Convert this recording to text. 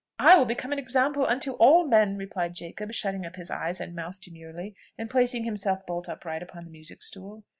"I will become an example unto all men," replied Jacob, shutting up his eyes and mouth demurely, and placing himself bolt upright upon the music stool.